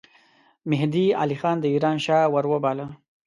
مهدي علي خان د ایران شاه وروباله.